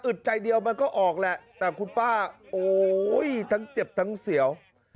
ใจเดียวมันก็ออกแหละแต่คุณป้าโอ้ยทั้งเจ็บทั้งเสียว